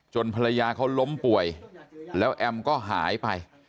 ภรรยาเขาล้มป่วยแล้วแอมก็หายไป